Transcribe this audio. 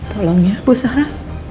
tolong ya bu sara